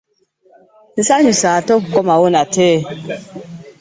Nsanyuse ate okukomawo nate.